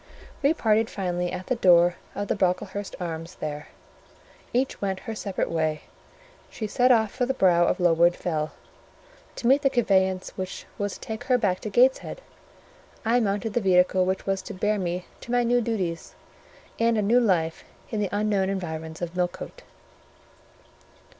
We parted finally at the door of the Brocklehurst Arms there: each went her separate way; she set off for the brow of Lowood Fell to meet the conveyance which was to take her back to Gateshead, I mounted the vehicle which was to bear me to new duties and a new life in the unknown environs of Millcote.